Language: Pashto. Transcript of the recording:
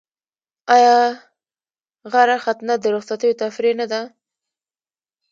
آیا غره ختنه د رخصتیو تفریح نه ده؟